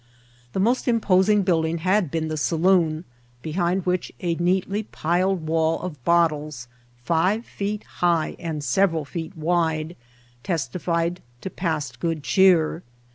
The most imposing building had been the saloon, behind which a neatly piled wall of bottles, five feet high and several feet wide, testified to past good cheer.